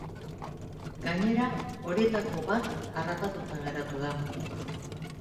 Gainera, horietako bat harrapatuta geratu da.